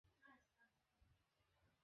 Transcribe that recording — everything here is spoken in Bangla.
তোর যা মন চায় কর।